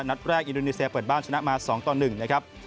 นัดแรกอินโดนีเซียเปิดบ้านชนะมา๒ต่อ๑นะครับ